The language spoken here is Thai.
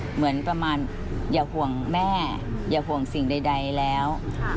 เหมือนประมาณอย่าห่วงแม่อย่าห่วงสิ่งใดแล้ว